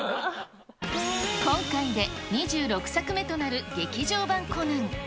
今回で２６作目となる劇場版コナン。